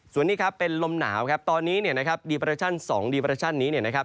ส่วนนี้ครับเป็นลมหนาวครับตอนนี้เนี้ยนะครับสองนี้นะครับ